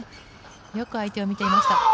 よく相手を見ていました。